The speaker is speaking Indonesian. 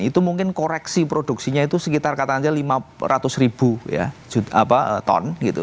itu mungkin koreksi produksinya itu sekitar katanya lima ratus ribu ton gitu